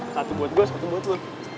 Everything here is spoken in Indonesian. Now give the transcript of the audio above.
satu buat gue satu buat lu